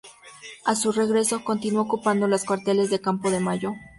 A su regreso, continuó ocupando los cuarteles de Campo de Mayo.